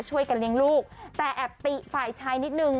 ช่วยกันเลี้ยงลูกแต่แอบติฝ่ายชายนิดนึง